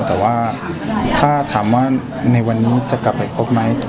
แต่ว่าถ้าถามว่าในวันนี้จะกลับไปครบไหม